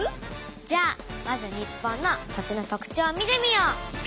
じゃあまず日本の土地の特徴を見てみよう！